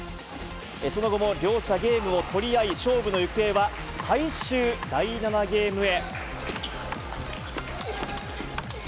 その後も両者ゲームを取り合い、勝負の行方は、最終第７ゲームへ。